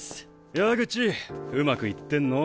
矢口うまくいってんの？